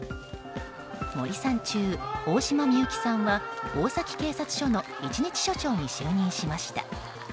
森三中・大島美幸さんは大崎警察署の一日署長に就任しました。